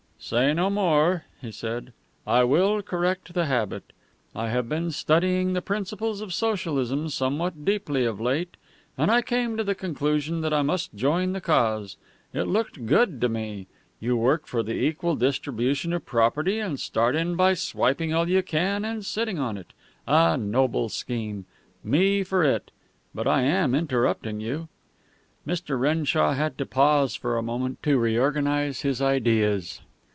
"Say no more," he said. "I will correct the habit. I have been studying the principles of Socialism somewhat deeply of late, and I came to the conclusion that I must join the cause. It looked good to me. You work for the equal distribution of property, and start in by swiping all you can and sitting on it. A noble scheme. Me for it. But I am interrupting you." Mr. Renshaw had to pause for a moment to reorganize his ideas.